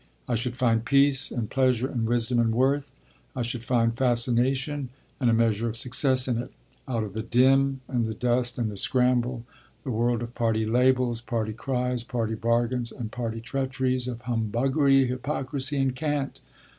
I should find peace and pleasure and wisdom and worth, I should find fascination and a measure of success in it out of the din and the dust and the scramble, the world of party labels, party cries, party bargains and party treacheries: of humbuggery, hypocrisy and cant.